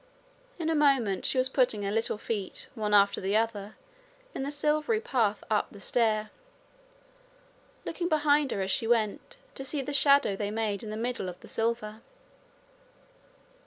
In a moment she was putting her little feet one after the other in the silvery path up the stair, looking behind as she went, to see the shadow they made in the middle of the silver.